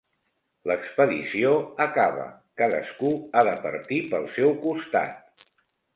L'expedició acaba, cadascú ha de partir pel seu costat.